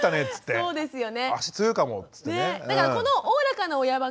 そうですね。